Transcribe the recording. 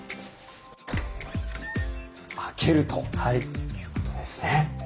開けるということですね。